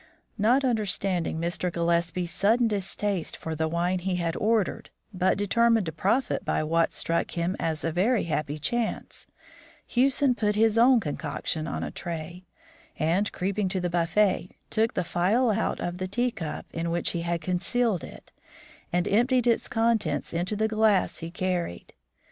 Not understanding Mr. Gillespie's sudden distaste for the wine he had ordered, but determined to profit by what struck him as a very happy chance, Hewson put his own concoction on a tray, and, creeping to the buffet, took the phial out of the tea cup in which he had concealed it, and emptied its contents into the glass he carried.